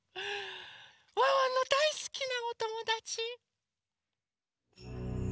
ワンワンのだいすきなおともだち。